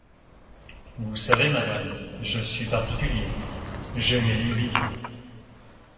Vous savez, madame, je suis particulier, j’ai mes lubies.